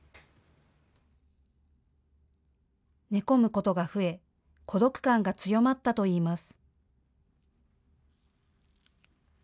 寝込むことが増え孤独感が強まったといいます。